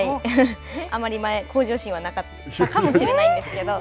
あまり向上心はなかったかもしれないですけど。